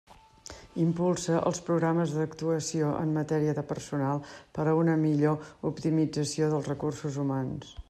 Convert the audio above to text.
Impulsa els programes d'actuació en matèria de personal per a una millor optimització dels recursos humans.